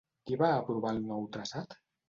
Qui va aprovar el nou traçat?